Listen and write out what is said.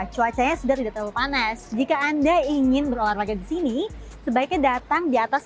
cuacanya sederhana panas jika anda ingin berolahraga disini sebaiknya datang di atas